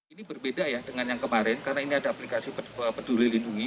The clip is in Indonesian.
ini berbeda ya dengan yang kemarin karena ini ada aplikasi peduli lindungi